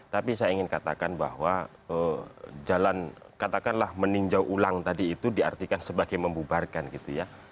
tapi saya ingin katakan bahwa jalan katakanlah meninjau ulang tadi itu diartikan sebagai membubarkan gitu ya